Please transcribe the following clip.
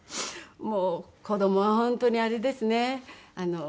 もう子供は本当にあれですね。